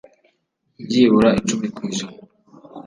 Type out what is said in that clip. byibura icumi ku ijana